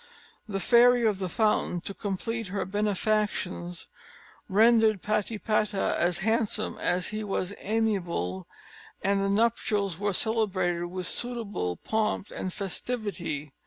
The Fairy of the Fountain, to complete her benefactions, rendered Patipata as handsome as he was amiable, and the nuptials were celebrated with suitable pomp and festivity.